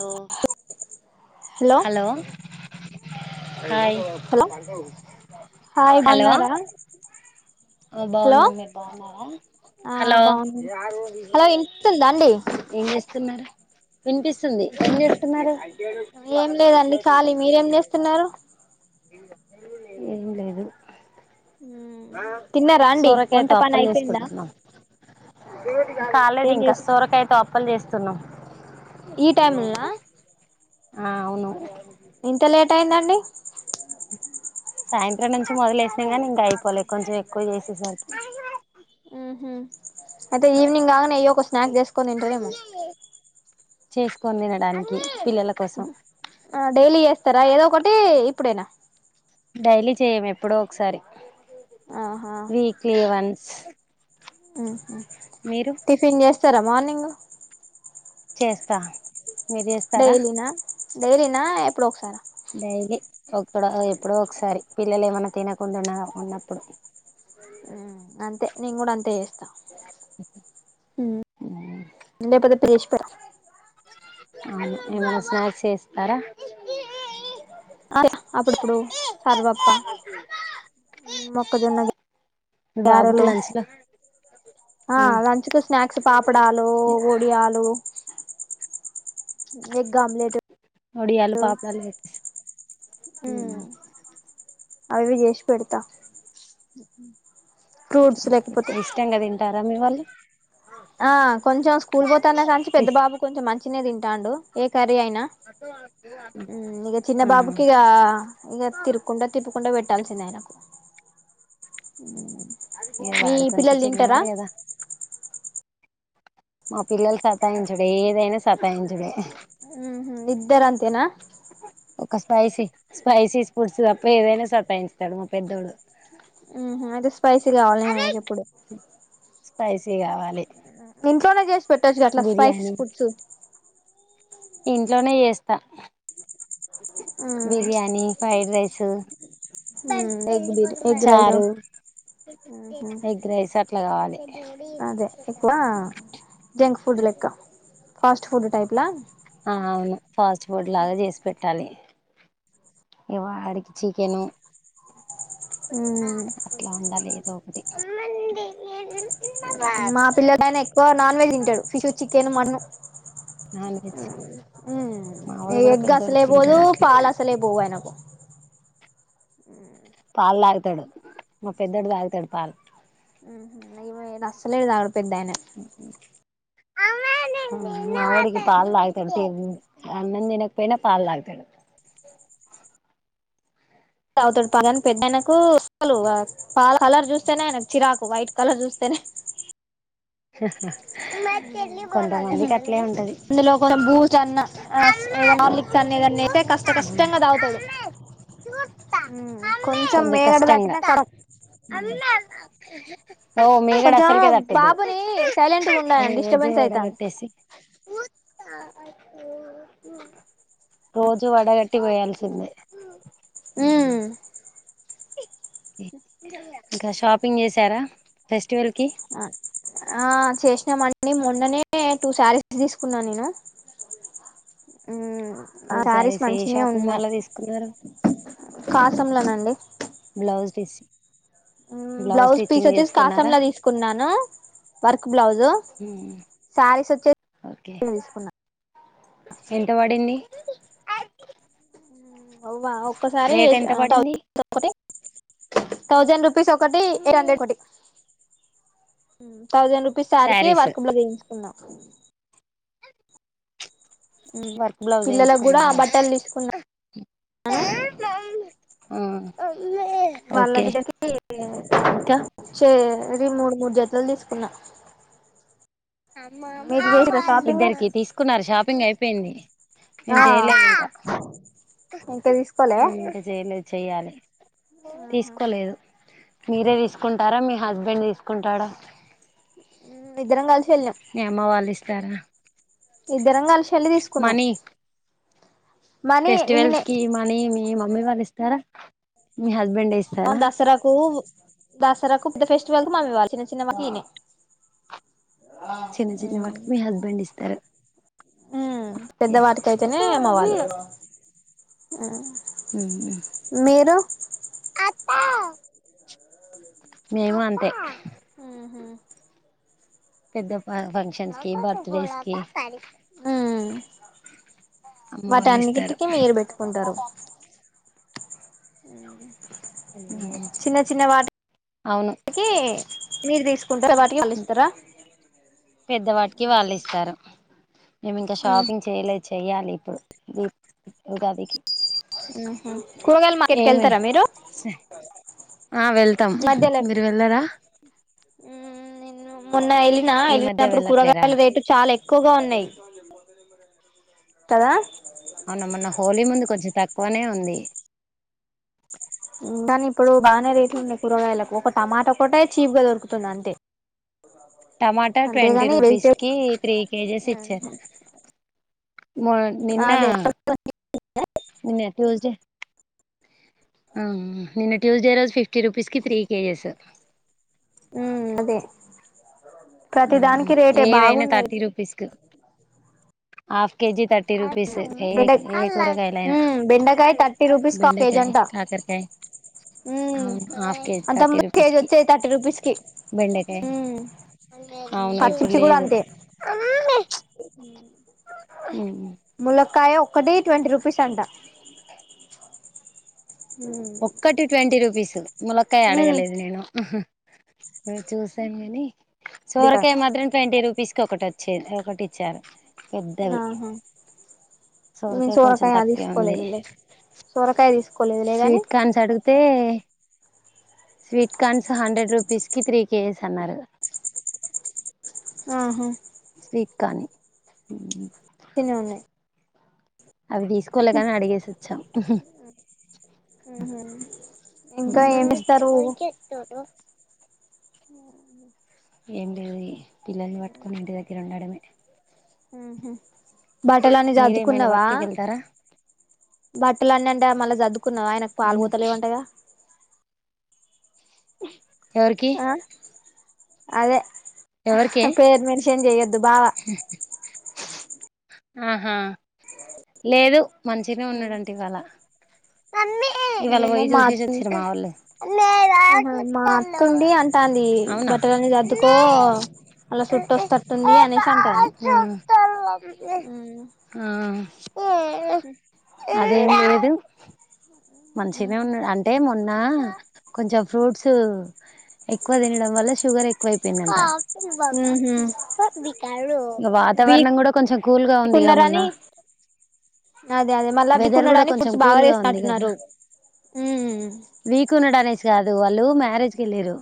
Hello hello hi hello hi hello బాగున్నారా hello బాగున్నాం మీరు ఆ బాగున్నారా బాగున్నా హలో వినిపిస్తుందా అండి వినిపిస్తుంది ఏం చేస్తున్నారు ఏం లేదండి ఖాళీ మీరేం చేస్తున్నారు ఏం లేదు ఆ రండి ఒంట పన అయిపోయిందా వేది కాలేదు ఏం ఇంకా చేసి సోరకాయయితో అప్పలు చేస్త తున్నావ్ ఈ టైం నా ఆ అవును ఇంతలే ఎట్టైందండి సాయంత్రం నుంచి మొదలేసినా కానీ ఇంకా అయిపోవలే కొంచెం ఎక్కువ చేసేసరికి ఉ అయితే ఈవనింగ్ కాగానే ఏయ్యో స్నాక్ చేసుకొని తింటారేమో చేసుకొని తినడానికి పిల్లల కోసం డైలీ చేస్తారా ఏదో ఒకటి ఇప్పుడేనా డైలీ చేయము ఎప్పుడో ఒకసారి ఆహా వీక్లీ వన్స్ ఆహ మీరు టిఫిన్ ఎస్త సరే మార్నింగ్ చేస్తా మీరు చేస్తారా డైలీనా డైలీనా ఎప్పుడు ఒకసారి డైలీ ఒక్కడో ఎప్పుడో ఒకసారి పిల్లలు ఏమన్నా తినకుండాన్నా ఉన్నప్పుడు అంతే నేను కూడా అంతే చేస్తా పోద్ద ప్ర క్క అవు ఏమనా స్నాక్స్ చేస్తారా అ అప్పుడప్పుడు సర్వప్ప మొక్కజొన్న మీ బాబుకి గరెలు లంచ్ లో ఆ లంచ్ కు స్నాక్స్ పాపడాలు వడియాలు ఎ గమలేెట్ ఒడియాలు పాపడాలు పెట్టేసి అ అవి జేష పెడతా ఫ్రూట్స్ లేకపోతే ఇష్టం కద ఇంట అమ్మి వాళ్ల్ ఆ కొంచెం స్కూల్ పోతానే కానిసి పెద్ద బాబు కొంచెం మంచిిన తింటాండు ఏ కర్రీ అయినా ఇక చిన్న ఆ బాబుకి ఇగ ఇక తిరుకుండా తిప్పుకుండా పెట్ ంద ఆయనకు ఇ మీ వాడు కొంచెం పిల్లలు తింటారా చిన్నాడు కదా మా పిల్లలు సతాయించడే ఏదైనా సతాయించడే ఇద్దార అంతేనా ఒక స్పైసీ స్పైసీ ఫుడ్స్ తప్ప ఏదైనా సతా యిస్తాడు మా పెద్దోడు అయితే స్పైసీ కావాలి మనకి ఎప్పుడు స్పైసీ కావాలి ఇంట్లోనే చేస్త పెట్టోచ్చు గ అట్లా బిర్యానీ స్పైసీస్ ఫుడ్స్ ఇంట్లోనే చేస్తా బిర్యానీ ఫ్రైడ్ రైస్ స ఎగ్ బిర్యా ఎగ్ చారు రైస్ ఎగ్గ రైస్ అట్లా గావాలి అదే ఎక్కువ జంక్ ఫుడ్ లెక్క ఫాస్ట్ ఫుడ్ టైప్లా ఆ అవును ఫాస్ట్ ఫుడ్ లాగా చేసి పెట్టాలి ఇ వాడికి చికెను మ్ మంది మా పిల్లడు ఆయన ఎక్కువ నాన్ వెెజ్ తింటాడు ఫిష్ వచ్చి తిన మన్న నాన్ వెజ్ మావోడు కూడా ఎగ్ పెద్దోడు అసలే పోదు తింటాడు అట్లే పాల్ అసలే పోవ అయనకు ఆ పాలు తాగుతాడు మా పెద్ధోడు తాగుతాడు పాలు అసలే తాగడు పెద్దాయాన మావోడికి పాలు తాగుతాడు అన్నం దినక పోయినా పాలు తాగుతాడు తాగుతాడు పాలని పెద్ద ఆయనకుా కలర్ చూస్తేనే ఆయనకు చిరాకు వైట్ కలర్ చూస్తేనే హ మ్ అట్లే ఉంటది అందులో కూడ బూస్ట్ అన్న ఏదన్న హార్లిక్స్ ఉంది అన్న ఏదేతే కష్ట కష్టంగా తాగుతాడు కొంచెం మీగడ దాట్టినా క నో మీగడ అసలుకి దాటిద్ ఓ బాబుని సైలెంట్గా ఉండాలండి రోజు డిస్టర్బెన్స్ వడ అయితాంది కట్టేసి రోజు వడగట్టి పోయాల్సిందే మ్ ఇంకా షాపింగ్ చేసారా ఫెస్ట్ ఆ ఆ చేసినామం డి మొన్ననే టూ శారీస్ తీసుకున్నాను నేను మ్ ఓ ఆ శారీస్ సారీస్ ఏ మంచినే షాపింగ్ మాల్ ఉన్నాయి లో తీసుకున్నారు కాటం లో నండి బ్లౌజ్ పీస్ మ్ బ్లౌజ్ పీస్ వచ్చేసి చేసుకున్నారా కాసంలో తీసుకున్నాను వర్క్ బ్లౌజు శారీస్ ఓకే వచ్చేసి తీసుకున్నాను ఎంత పడింది అవా ఒక్కసారి రేట్ ఎంత పడింది [unintelligible] థౌజండ్ రూ పీస్ ఒకటి ఎయిట్ హండ్రెడ్ పడ్డది మ్ థౌసండ్ రూపీస్ శారీ కి saris work blouse చేయించుకునా [unintelligible] work blouse పిల్లలకు కూడా వేయించుకున్నారా బట్టలు తీసుకున్నాను ఆ వాళ్ల బిడ్డకి ఇంకా చే ఇది మూడ్ మూడు జతలు తీసుకున్నా మీరు చేసిరా షాపింగ్ ఇద్దరికి తీసుకున్నారు షాపింగ్ అయ్ అయిపోయింది నేను ఆ చేయలేదు ఇంకా ఇంకా తీస్కోలే నేను ఇంకా చేయలేదు చెయ్యాలి తీసుకోలేదు మీరే తీసుకుంటారా మీ హస్బెండ్ తీసుకుంటాడా హ్మ్ ఇద్దరం కలిసి వెళ్ళినాం మీ అమ్మ వాల్ ఇస్త్ సర్నా ఇద్దరం కలిసి వెళ్లి తీసుకున్నాము ఫెస్టివల్ కి మనీ మీ మమ్మీ వాళ్ళు ఇస్తారా. మీ హస్బెం అ దసరాకు దసరాకు పేద ఫెస్టివల్కు మామ్మీ వాలే చిన్న చిన్నవాటికి ఈనే చిన్న చిన్న హ్మ్ వాటికి మీ హస్బెండ్ ఇస్తారు మ్ ఓకే పెద్దవాటికైతేనే అమ్మ వాళ్లు ఆ మీరు మేము అంతే హ్మ్ హు పెద్ద ఫ ఫంక్షన్స్కి బర్త్డే స్కి ఉమ్ అమ్మ వాళ్ళు ఇస్తారు వాటన్నికి మీరు పెట్టుకుంటారు మ్ చిన్న చిన్న అవును వాటికి మీర్ తీసుకుంటార వాటికి వాల్ ఇస్తారా పెద్దవాటికి వాళ్ళు ఇస్తారు మేము ఇంకా షాపింగ్ చేయలేదు. చెయాలి ఇప్పుడు ఉగాదికి హ్మ్ హు కూర్గాయల మార్కెట్కి ఏమి వేళ్తారా మీరు ఆ వెళ్తాం మధ్య లోకి మీరు వెళ్ళారా హ్మ్ నేను హ్మ్ మొన్న వెళ్ళిన ఈ మధ్య వెళ్ళినప్పుడు వెళ్ళట్లేరా కూరగాయల రేటు చాలా ఎక్కువ ఎక్కువగా ఉన్నాయి కదా అవునమన్న హోలీ ముందు కొంచెం తక్కువనే ఉంది కానీ ఇప్పుడు బాగానే రేట్లు ఉన్నాయి కూరగాయలకు ఒక టమాటా కూడాట చీప్ గా దొరుకుతుంది అంతే టమాటా ట్వంటీ అంతేగాని వెజిటేబుల్ రూపీస్కి త్రీ కేజీస్ ఇచ్చారు మ నిన్న అదే నిన్న ట్యూస్డే అ నేను ట్యూస్డే రోజు ఫిఫ్టీ రూపీస్కి త్రీ కేజెస్ ఉమ్ అదే ప్రతి ఉమ్ దానికి రేటే ఏవైనా బాగున్నాయి థర్టీ రూపీస్కు ఆ కేజీ థర్టీ రూపీస్ ఏ ఏ బెండ కూరకాయలుయినా ఉమ్ బెండకాయ థర్టీ రూపీస్ కా కేజీ బెండకాయ అంట కాకరకాయ ఉమ్ అవును హాఫ్ కేజీ థర్టీ అంతకుముందు కేజీ రూపీస్కి వచ్చేది థర్టీ రూపీస్ కి బెండకాయ అవును ఇప్పుడు పచ్చిమిర్చి కూడా లేదు అంతే ములక్కయ ఒక్కటి ట్వంటీ రూపీస్ అంటా ఒక్కటి ట్వంటీ రూపీసు ములక్కయ ఉమ్ అడగలేదు నేను మీ చూసాం కాని సొరకాయ మాత్రం ట్వంటీ రూపీస్ ఒకటి వచ్చే ఒకటి ఇచ్చారు పెద్దవి ఆహా మేము కొంచెం సోరకాయ తక్కువే ఉంది తీసుకోలేదు లే సోరకాయ తీసుకో స్వీట్ కన్స్ అడుగాతే స స్వీట్ కార్న్స్ హండ్రెడ్ డే రూపీస్కి త్రీ కేజెస్ అన్నారు ఆహా స్వీట్ కాన్ అసలి చిన్న ఉన్నాయి అవి తీసుకోలేగా అడిగేసి వచ్చాం ఇంకా ఏమి ఇస్తారు ఆమ్ ఏం లేదు పిల్లల్ని పట్టుకోని ఇంటి దగ్గర ఉండడమే అ ఆహా బట్టలు అన్ని మీరేమైనా సదుకున్నావా వర్క్కి వెళ్తారా బట్ ఇళ్ళ అన్నడి అంటే మళ్ళీ సద్దుకున్నావా ఆయనకు ఎందు పాలుపోతలేవంటగా ఎవరికి ఆ అదే ఎవరికే పేరు మేన్ షన్ చేయ్యదు దు బావా ఆహా లేదు మంచిగానే ఉన్నాడుంట ఇవాళా అన్నీ ఏమో మా అత్త ఆహా మా పోష అత్తుండి అంటాంది బట్టలన్నీ సర్దుకో అలా శమా సుట్టొస్తట్టుంది అనేసి అంటాంది అవునా అదే ఇదు మంచిగాగా ఉన్నా అంటే కొంచెం ఫ్రూట్స్ ఎక్కువ తినడం వల్ల షుగర్ ఎక్కువ అయిపోయిందింట ఉహు వాతావరణం కూడా కొంచెం కూల్గా ఉందిగా మొన్న వీకున్నరని అదే అదే వెదర్ కూడా కొంచెం కూల్గా ఉంది కదా వీక్ ఉన్నాడు హమ్ అనేసి కాదు వాళ్ళు మ్యారేజ్కి వెళ్ళరు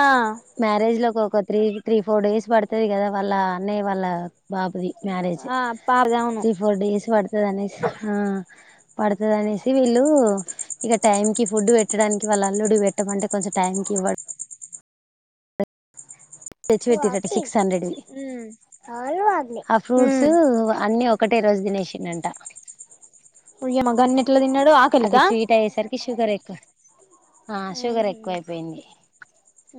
ఆ మ్యారేజ్ లో ఒక త్రీ త్రీ ఫోర్ డేస్ పడుతుంది కదా వాళ్ళ అన్నయ్య వాళ్ళ బాబుది మ్యారేజ్ ఆ పాపది అవును తీ ఫోర్ ేస్ అడుతే ఆ పడుతదనే ఇది వీళ్ళు ఇక టైంకి ఫుడ్ పెట్టడానికి వాళ్ళ అల్లుడి పెట్టమంటే కొంచెం టైంకి ఇవ్వడు తెచ్చ పెట్టి సిక్స్ ఉమ్ అ ఒకటే రోజు తినేసిండంట ఉయ్యమగ అన్నిట్లా తిన్నాడు ఆకలిక అవి స్వీట్ అయ్యేసరికి షుగర్ ఎక్కువ ఆ షుగర్ ఎక్కువ అయిపోయింది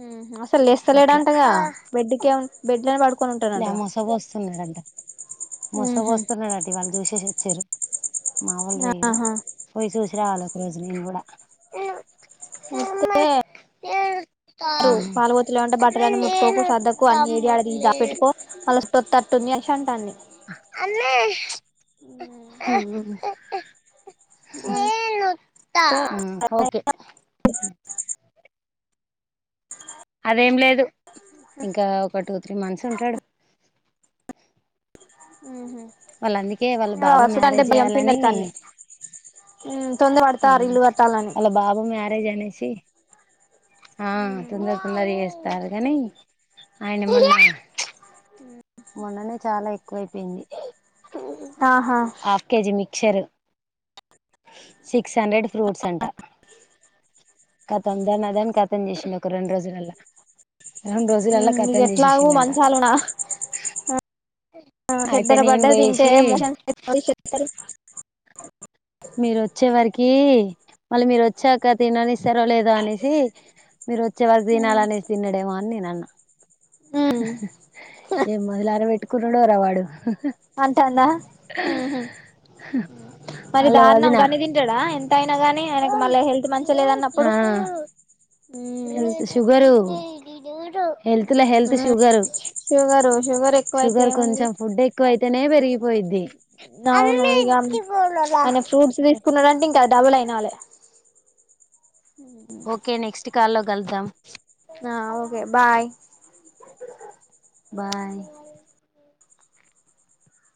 ఉహు అసలు అట్లా లేస్తలేడాంటగా బెడ్ క ఏ బెడ్ని పడు లే మోసబు వస్తున్నారంట మస ఉహు వస్తన్నా డా వాళ్ళ జష స సర మావల్ వల్ ఆహా పోయి సూ ాలూక రోజుల కూడా అంతతే ఏ పాాలవోతులే వంటే బట్టలన్నని ముట్టుకోకు సర్ద్దకు వత్తా అన్ని ఏడి ఆడ మమ్మీ పెట్టుకో తొత్త్తట్టుంది చేసి అంటాడి అ ఏ ఓకే అదేం లేదు ఇంకా ఒకటి త్రీ మంత్స్ ఉంటడు హుమ్ హు వాళ్ళ అందుకే వాళ్ళ బాబు మ్యారేజ్ చేయ్యాలని హుమ్ వలా బాబు మ్యారేజ్ అనేసి ఆ తొందర్ తొందర్ చేస్ కాదుగాని ఆయన మొన్న హుమ్ మొన్ననే చాలా ఎక్కువయిపోయింది ఆహా హాఫ్ కేజీ మి క్షరు సిక్స్ హండ్రెడ్ ఫ్రూట్స్ అంటా కతం దాన్ని అదని కతం చేసిండు రెండు రోజులలా హుమ్ నీకు ఎట్లాగు మంచాలునా అయితే చెెడ్డర నేను బడ్డ తింటే పోయేసి మోషన్ మీరు వచ్చే వారికీ మళ్ళీ మీరు వచ్చాక తిననిస్తారో లేదో అనేసి మీరు వచ్చే వరకు తినాలనేసి తిన్నడేమో అని నేను అన్నా ఏ మొదలార పెట్ కుర్రడోరవాడు అంటాన్న మరి వాళ్ళ దారుణం వదిన గన్ని తింటాడా ఎ అయినా గానీ ఆ ఆయనకి మళ్ళీ హెల్త్ మంచి లేదన్నప్పుడు తనిీడు హెల్త్ లో హెల్త్ షుగర్ షుగరు షుగర్ ఎక్కువైతే షుగర్ ఏముంది కొంచెం ఫుడ్ ఎక్కువ అయితేనే పె పోయిద్ది అవును ఇక అయన ఫ్రూట్స్ తీసుకున్నాడంటే ఇంకా డబుల్ అయినాలే ఓకే నెక్స్ట్ కాల్ లో కలుద్దాం ఆ ఓకే బాయ్ బాయ్